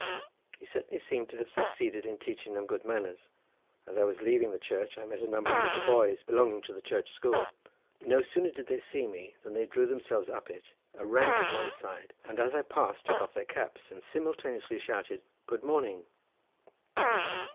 He certainly seemed to have succeeded in teaching them good manners: as I was leaving the church, I met a number of little boys belonging to the church school: no sooner did they see me than they drew themselves up in a rank on one side, and as I passed took off their caps and simultaneously shouted "Good morning!"